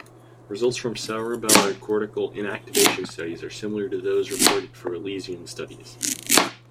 Results from cerebellar cortical inactivation studies are similar to those reported for lesion studies.